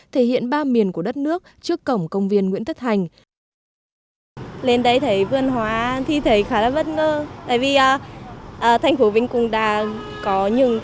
thể hiện ba miền của đất nước trước cổng công viên nguyễn thất thành